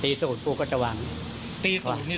ตีศูนย์ปูก็จะวางอย่างนี้